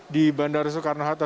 di bandara soekarno hatta